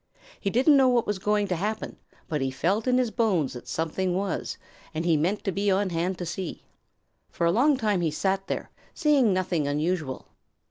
He didn't know what was going to happen, but he felt in his bones that something was, and he meant to be on hand to see. For a long time he sat there, seeing nothing unusual.